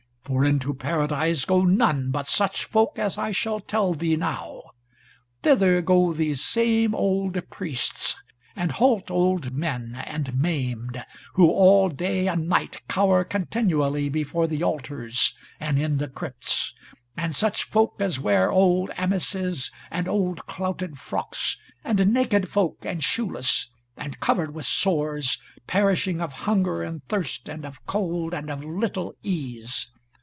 For into Paradise go none but such folk as I shall tell thee now: Thither go these same old priests, and halt old men and maimed, who all day and night cower continually before the altars, and in the crypts; and such folk as wear old amices and old clouted frocks, and naked folk and shoeless, and covered with sores, perishing of hunger and thirst, and of cold, and of little ease.